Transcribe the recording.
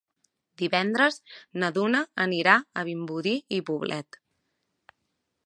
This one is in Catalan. Divendres na Duna anirà a Vimbodí i Poblet.